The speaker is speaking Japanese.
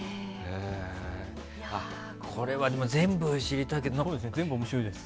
これは全部知りたいけど。